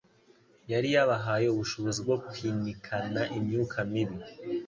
yari yabahaye ubushobozi bwo kwinikana imyuka mibi;